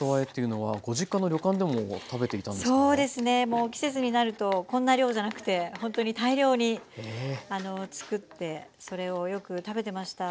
もう季節になるとこんな量じゃなくてほんとに大量に作ってそれをよく食べてました。